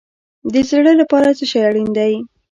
د زړه لپاره څه شی اړین دی؟